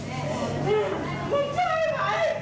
หวานกูมีอะไร